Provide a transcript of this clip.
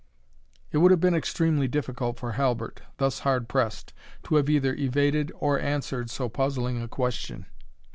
It would have been extremely difficult for Halbert, thus hard pressed, to have either evaded or answered so puzzling a question.